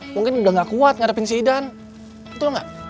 mungkin udah gak kuat ngarepin si idan betul gak